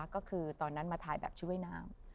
ก็คือตอนนั้นมาถ่ายแบบชุดว่ายน้ำ